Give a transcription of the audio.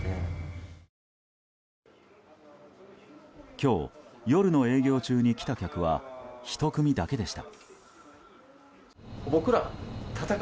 今日、夜の営業中に来た客は１組だけでした。